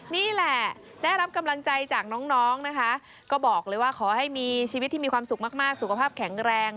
นี่แหละได้รับกำลังใจจากน้องนะคะก็บอกเลยว่าขอให้มีชีวิตที่มีความสุขมากสุขภาพแข็งแรง